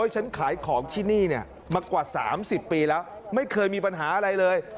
ฉันขายของที่นี่เนี่ยมากกว่าสามสิบปีแล้วไม่เคยมีปัญหาอะไรเลย